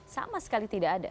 sama sekali tidak ada